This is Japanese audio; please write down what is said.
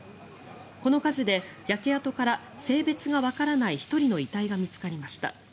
この火事で焼け跡から性別がわからない１人の遺体が見つかりました。